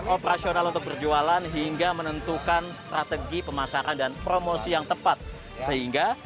operasional untuk berjualan hingga menentukan strategi pemasaran dan promosi yang tepat sehingga